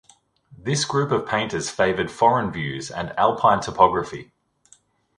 This group of painters favored foreign views and alpine topography.